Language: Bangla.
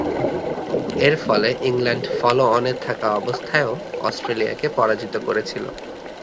এরফলে ইংল্যান্ড ফলো-অনে থাকা অবস্থায়ও অস্ট্রেলিয়াকে পরাজিত করেছিল।